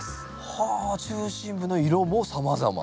はあ中心部の色もさまざま。